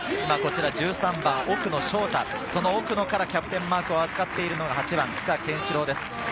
１３番・奥野奨太、その奥野からキャプテンマークを預かっているのが８番・北健志郎です。